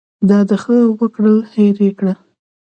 که د ښه وکړل هېر یې کړه .